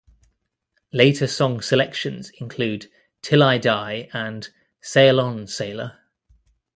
Later song selections include "'Til I Die" and "Sail On, Sailor".